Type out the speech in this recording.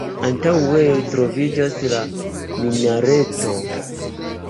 Antaŭe troviĝas la minareto.